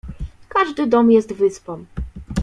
"Każdy dom jest wyspą."